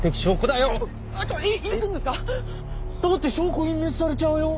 ⁉だって証拠隠滅されちゃうよ